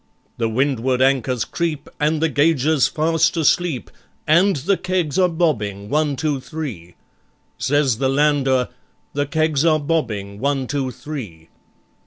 The windward anchors creep, And the Gauger's fast asleep, And the kegs are bobbing one, two, three, Says the Lander: The kegs are bobbing one, two, three.